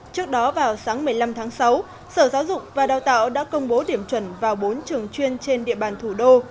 trước đó vào sáng một mươi năm tháng sáu sở giáo dục và đào tạo đã công bố điểm chuẩn vào bốn trường chuyên trên địa bàn thủ đô